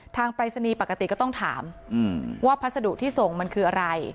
ปรายศนีย์ปกติก็ต้องถามว่าพัสดุที่ส่งมันคืออะไร